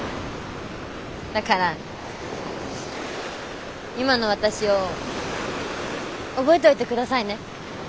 だから今の私を覚えておいてくださいね。